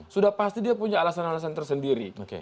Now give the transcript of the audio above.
sudah pasti dia punya alasan alasan tersendiri